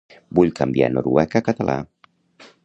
Vull canviar noruec a català.